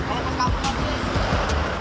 iya nggak boleh